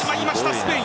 スペイン。